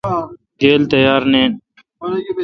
گیل تیار نین۔